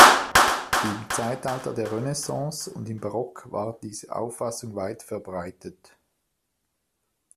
Im Zeitalter der Renaissance und im Barock war diese Auffassung weit verbreitet.